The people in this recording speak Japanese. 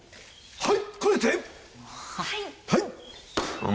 はい！